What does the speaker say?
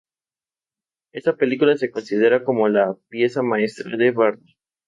Esta película se considera como la pieza maestra de Varda.